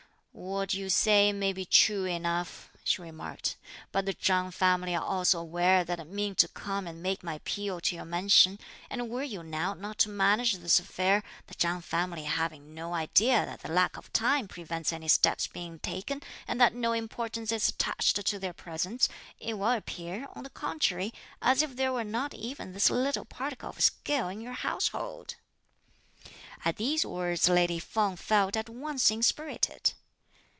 "What you say may be true enough," she remarked; "but the Chang family are also aware that I mean to come and make my appeal to your mansion; and were you now not to manage this affair, the Chang family having no idea that the lack of time prevents any steps being taken and that no importance is attached to their presents, it will appear, on the contrary, as if there were not even this little particle of skill in your household." At these words lady Feng felt at once inspirited.